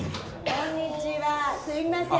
こんにちはすいません。